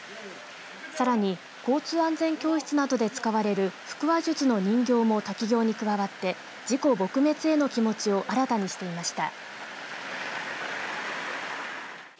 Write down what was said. さらに交通安全教室などで使われる腹話術の人形も滝行に加わって事故撲滅への気持ちを新たにしていました。